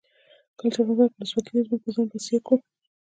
کله چې افغانستان کې ولسواکي وي موږ په ځان بسیا کیږو.